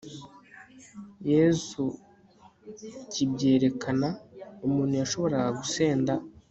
yesu kibyerekana. umuntu yashoboraga gusenda